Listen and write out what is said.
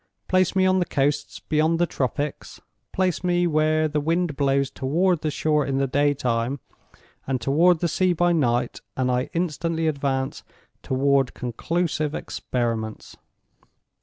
Place me on the coasts beyond the tropics—place me where the wind blows toward the shore in the day time, and toward the sea by night—and I instantly advance toward conclusive experiments.